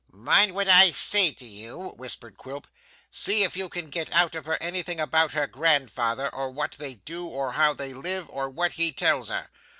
'Mind what I say to you,' whispered Quilp. 'See if you can get out of her anything about her grandfather, or what they do, or how they live, or what he tells her.